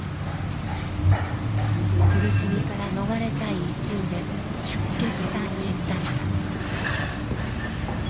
苦しみから逃れたい一心で出家したシッダッタ。